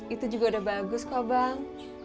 itu juga udah bagus kok bang